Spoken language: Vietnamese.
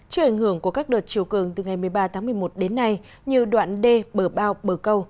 trời ảnh hưởng của các đợt chiều cường từ ngày một mươi ba tháng một mươi một đến nay như đoạn đê bờ bao bờ câu